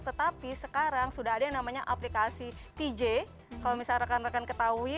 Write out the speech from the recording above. tetapi sekarang sudah ada yang namanya aplikasi tj kalau misalnya rekan rekan ketahui